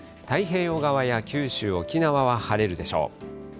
太平洋側や九州、沖縄は晴れるでしょう。